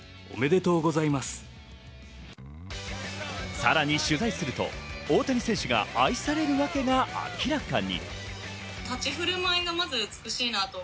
さらに取材すると、大谷選手が愛されるワケが明らかに。